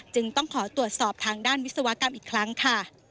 จึงต้องขอตรวจสอบทางด้านวิศวกรรมอีกครั้งค่ะ